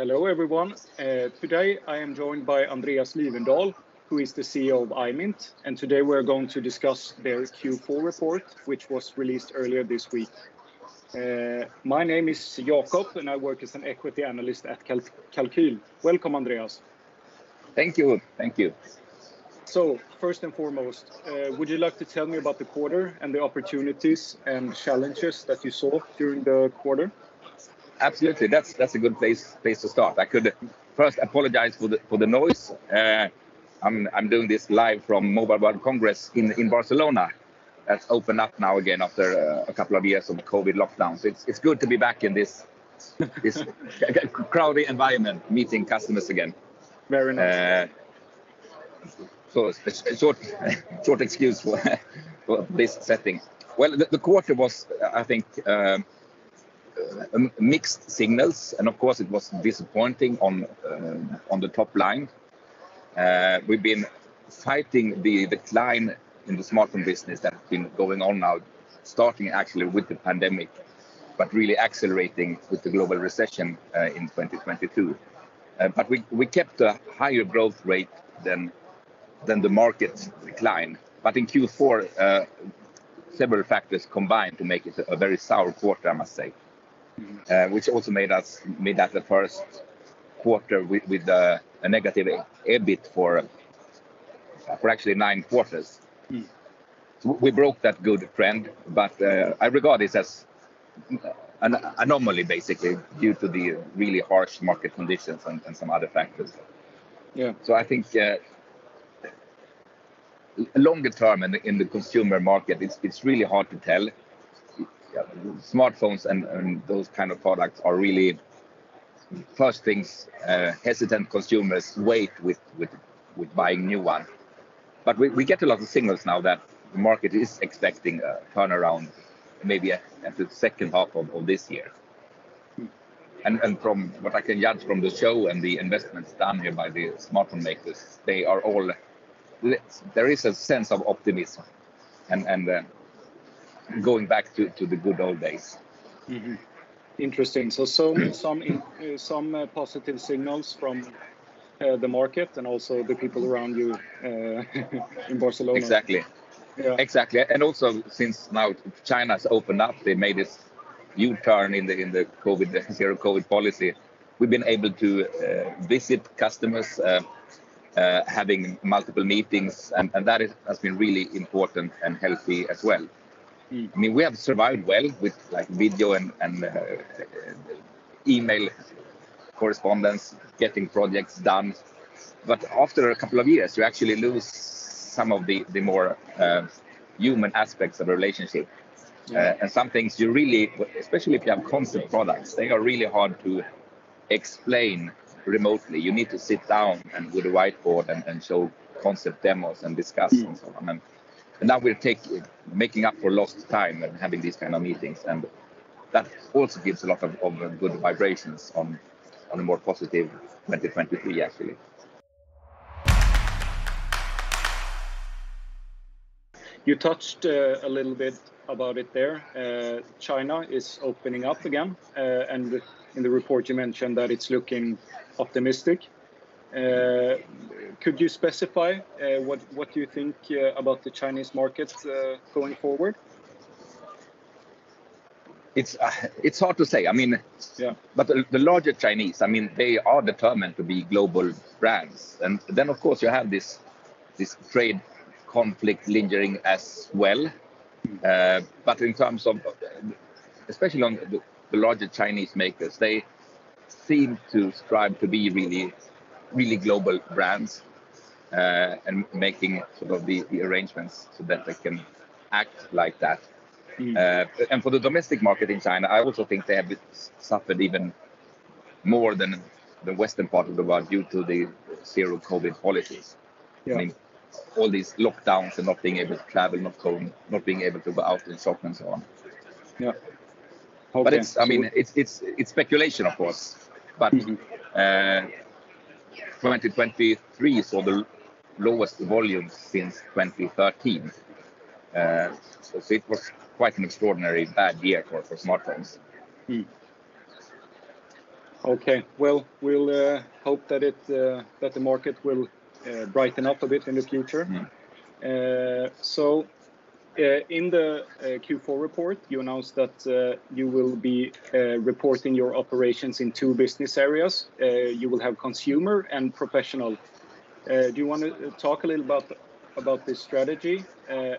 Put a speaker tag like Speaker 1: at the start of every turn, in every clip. Speaker 1: Hello, everyone. Today I am joined by Andreas Lifvendahl, who is the CEO of IMINT. Today we're going to discuss their Q4 report, which was released earlier this week. My name is Jacob, and I work as an equity analyst at Kalqyl. Welcome, Andreas
Speaker 2: Thank you. Thank you.
Speaker 1: First and foremost, would you like to tell me about the quarter and the opportunities and challenges that you saw during the quarter?
Speaker 2: Absolutely. That's a good place to start. I could first apologize for the noise. I'm doing this live from Mobile World Congress in Barcelona, that's opened up now again after a couple of years of COVID lockdown. It's good to be back in this crowded environment, meeting customers again.
Speaker 1: Very nice.
Speaker 2: A short excuse for this setting. Well, the quarter was I think mixed signals. Of course it was disappointing on the top line. We've been fighting the decline in the smartphone business that had been going on now starting actually with the pandemic, really accelerating with the global recession in 2022. We kept a higher growth rate than the market decline. In Q4, several factors combined to make it a very sour quarter, I must say which also made that the first quarter with a negative EBIT for actually nine quarters. We broke that good trend, but I regard this as an anomaly, basically, due to the really harsh market conditions and some other factors. I think, longer term in the consumer market, it's really hard to tell. Smartphones and those kind of products are really first things hesitant consumers wait with buying new one. We get a lot of signals now that the market is expecting a turnaround maybe at the second half of this year. From what I can judge from the show and the investments done here by the smartphone makers, there is a sense of optimism and going back to the good old days.
Speaker 1: Interesting. some in, some positive signals from the market and also the people around you, in Barcelona.
Speaker 2: Exactly. Exactly. Also since now China's opened up, they made this U-turn in the COVID, the zero-COVID policy. We've been able to visit customers, having multiple meetings and that is, has been really important and healthy as well. I mean, we have survived well with, like, video and email correspondence, getting projects done. After a couple of years, you actually lose some of the more, human aspects of a relationship. Some things you really, especially if you have concept products, they are really hard to explain remotely. You need to sit down and, with a whiteboard and show concept demos and so on. Now making up for lost time and having these kind of meetings, and that also gives a lot of good vibrations on a more positive 2023, actually.
Speaker 1: You touched a little bit about it there. China is opening up again, in the report you mentioned that it's looking optimistic. Could you specify what you think about the Chinese market going forward?
Speaker 2: It's hard to say. I mean. But the larger Chinese, I mean, they are determined to be global brands. Of course you have this trade conflict lingering as well. In terms of, especially on the larger Chinese makers, they seem to strive to be really, really global brands, and making sort of the arrangements so that they can act like that. For the domestic market in China, I also think they have suffered even more than the Western part of the world due to the zero-COVID policies. I mean, all these lockdowns and not being able to travel, not going, not being able to go out and so on and so on.
Speaker 1: Yeah. Hope it's...
Speaker 2: It's, I mean, it's speculation of course. 2023 saw the lowest volume since 2013. It was quite an extraordinary bad year for smartphones.
Speaker 1: Okay. Well, we'll hope that it that the market will brighten up a bit in the future. In the Q4 report, you announced that you will be reporting your operations in two business areas. You will have consumer and professional. Do you wanna talk a little about this strategy?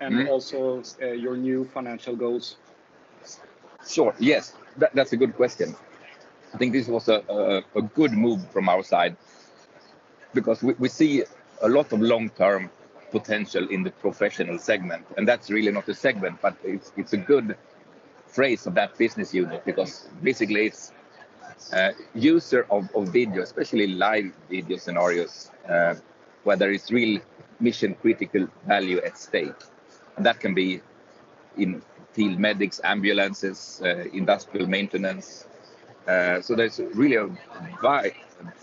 Speaker 1: And also your new financial goals?
Speaker 2: Sure. Yes. That's a good question. I think this was a good move from our side because we see a lot of long-term potential in the professional segment. That's really not a segment, but it's a good phrase for that business unit. Basically it's user of video, especially live video scenarios, where there is really mission critical value at stake. That can be in field medics, ambulances, industrial maintenance. There's really a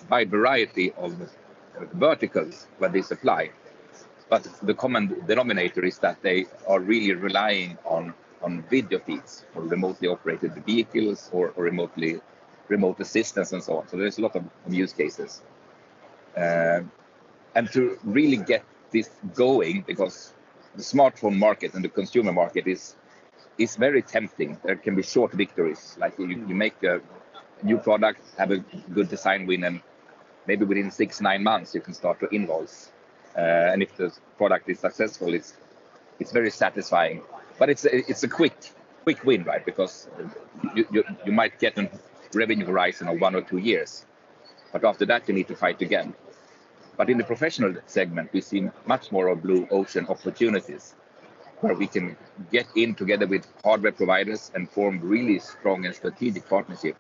Speaker 2: wide variety of verticals where this apply, but the common denominator is that they are really relying on video feeds for remotely operated vehicles or remotely remote assistance and so on. There's a lot of use cases. To really get this going, because the smartphone market and the consumer market is very tempting. There can be short victories, like you make a new product, have a good design win, and maybe within six-nine months you can start to invoice. If the product is successful, it's very satisfying, but it's a quick win, right? Because you might get an revenue horizon of one or two years, after that you need to fight again. In the professional segment, we've seen much more of blue ocean opportunities where we can get in together with hardware providers and form really strong and strategic partnership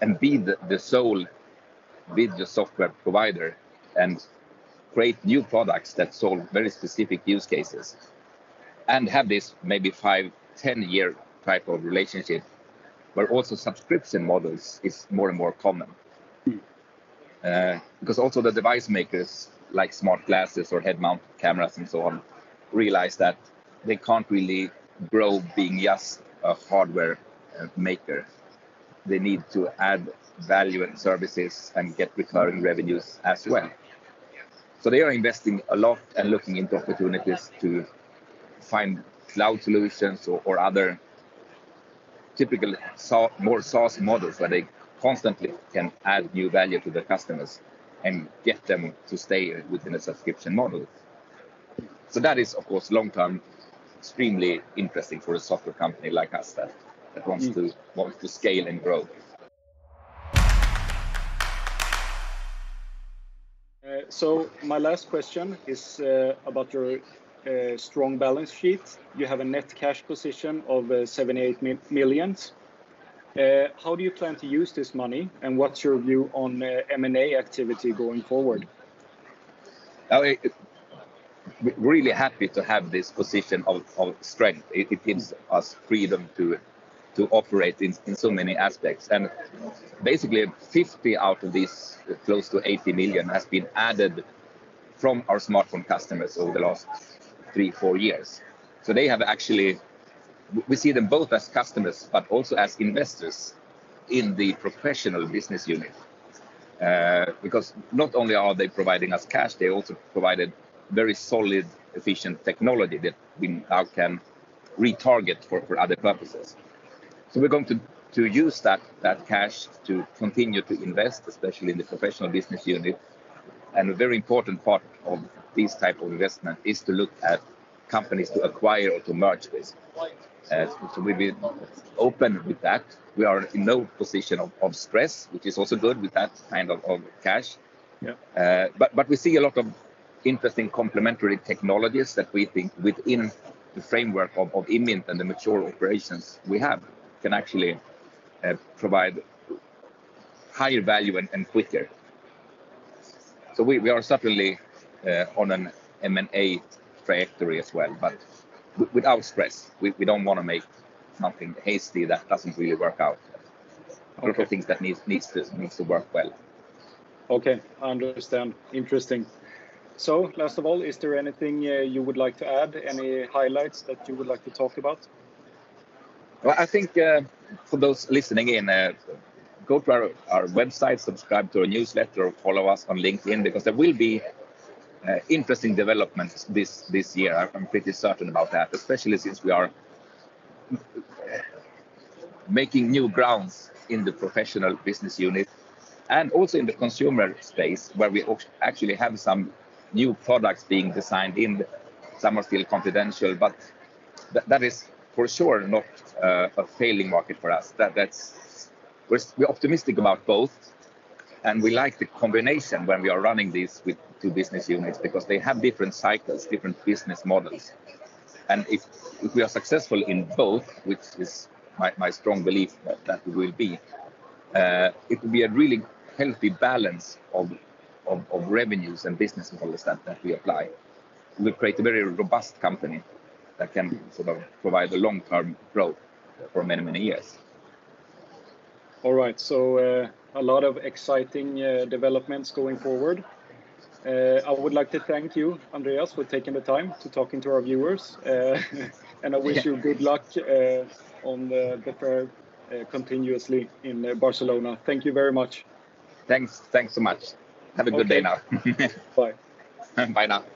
Speaker 2: and be the sole video software provider and create new products that solve very specific use cases, and have this maybe five-10-year type of relationship, where also subscription models is more and more common. Because also the device makers, like smart glasses or head mount cameras and so on, realize that they can't really grow being just a hardware maker. They need to add value and services and get recurring revenues as well. They are investing a lot and looking into opportunities to find cloud solutions or other typical SaaS models, where they constantly can add new value to the customers and get them to stay within a subscription model. That is of course, long-term, extremely interesting for a software company like us that wants to wants to scale and grow.
Speaker 1: My last question is about your strong balance sheet. You have a net cash position of 78 million. How do you plan to use this money, and what's your view on M&A activity going forward?
Speaker 2: We're really happy to have this position of strength. It gives us freedom to operate in so many aspects. Basically 50 million out of this close to 80 million has been added from our smartphone customers over the last three, four years. We see them both as customers, but also as investors in the professional business unit. Because not only are they providing us cash, they also provided very solid, efficient technology that we now can retarget for other purposes. We're going to use that cash to continue to invest, especially in the professional business unit. A very important part of this type of investment is to look at companies to acquire or to merge with. We've been open with that. We are in no position of stress, which is also good with that kind of cash. But we see a lot of interesting complementary technologies that we think within the framework of IMINT and the mature operations we have, can actually provide higher value and quicker. We are certainly on an M&A trajectory as well, but without stress. We don't wanna make nothing hasty that doesn't really work out. A lot of things that needs to work well.
Speaker 1: Okay. I understand. Interesting. Last of all, is there anything you would like to add? Any highlights that you would like to talk about?
Speaker 2: I think for those listening in, go to our website, subscribe to our newsletter or follow us on LinkedIn, there will be interesting developments this year. I'm pretty certain about that, especially since we are making new grounds in the professional business unit and also in the consumer space, where we actually have some new products being designed in. Some are still confidential, that is for sure not a failing market for us. That's. We're optimistic about both, we like the combination when we are running these with two business units. They have different cycles, different business models. If we are successful in both, which is my strong belief that we will be, it will be a really healthy balance of revenues and business models that we apply. We create a very robust company that can sort of provide a long-term growth for many, many years.
Speaker 1: Right. A lot of exciting developments going forward. I would like to thank you, Andreas, for taking the time to talking to our viewers. I wish you good luck on the fair continuously in Barcelona. Thank you very much.
Speaker 2: Thanks. Thanks so much. Have a good day now.
Speaker 1: Bye.
Speaker 2: Bye now.